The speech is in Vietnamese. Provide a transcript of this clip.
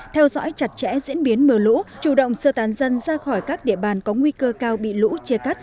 theo dõi chặt chẽ diễn biến mưa lũ chủ động sơ tán dân ra khỏi các địa bàn có nguy cơ cao bị lũ chia cắt